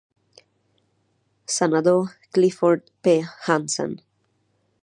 Senador Clifford P. Hansen.